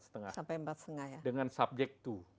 tapi kita masih mencari objek dua